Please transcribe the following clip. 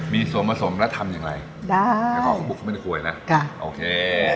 มีส่วนผสมและทำอย่างไรได้แล้วก็บุกเข้ามาในครัวไอ้นะค่ะโอเค